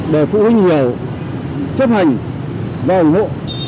để phụ huynh hiểu chấp hành và ủng hộ